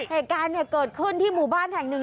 เหตุการณ์เนี่ยเกิดขึ้นที่หมู่บ้านแห่งหนึ่ง